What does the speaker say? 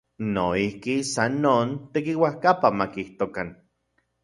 Noijki, san non, tekiuajkapa makijtokan.